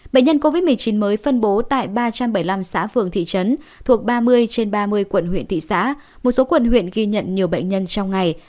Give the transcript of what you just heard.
bệnh nhân covid một mươi chín mới phân bố tại ba trăm bảy mươi năm xã phường thị trấn thuộc ba mươi trên ba mươi quận huyện thị xã một số quận huyện ghi nhận nhiều bệnh nhân trong ngày